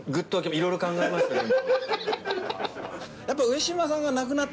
いろいろ考えましたでも。